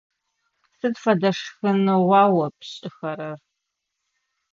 Сыд фэдэ шхыныгъуа о пшӏыхэрэр?